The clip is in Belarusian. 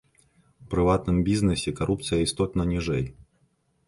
У прыватным бізнэсе карупцыя істотна ніжэй.